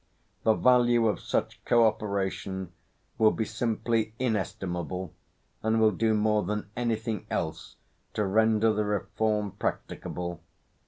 The value of such co operation will be simply inestimable, and will do more than anything else to render the reform practicable.